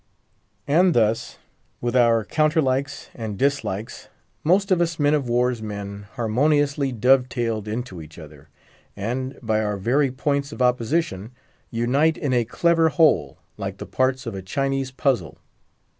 And thus, with our counterlikes and dislikes, most of us men of war's men harmoniously dove tail into each other, and, by our very points of opposition, unite in a clever whole, like the parts of a Chinese puzzle.